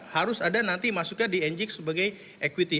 harus ada nanti masuknya di ngx sebagai equity